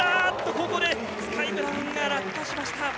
ここでスカイ・ブラウンが落下しました。